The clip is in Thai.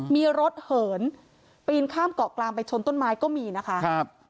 มีรถเหินปีนข้ามเกาะกลางไปชนต้นไม้ก็มีนะคะครับ